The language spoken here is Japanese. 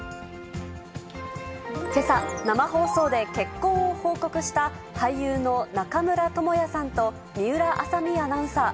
けさ、生放送で結婚を報告した俳優の中村倫也さんと水卜麻美アナウンサー。